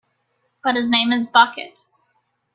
But his name is Bucket.